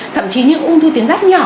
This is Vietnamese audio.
thậm chí những ung thư tuyến giáp nhỏ